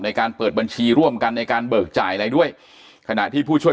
ในการเปิดบัญชีร่วมกันในการเบิกจ่ายอะไรด้วยขณะที่ผู้ช่วย